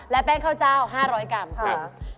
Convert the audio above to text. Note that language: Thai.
และแป้งข้าวเจ้า๕๐๐กก